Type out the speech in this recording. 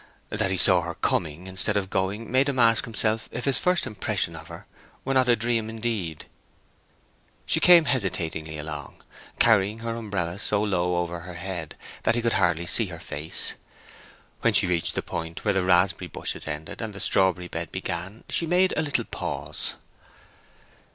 That he saw her coming instead of going made him ask himself if his first impression of her were not a dream indeed. She came hesitatingly along, carrying her umbrella so low over her head that he could hardly see her face. When she reached the point where the raspberry bushes ended and the strawberry bed began, she made a little pause.